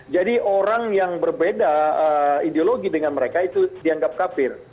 jadi orang yang berbeda ideologi dengan mereka itu dianggap kafir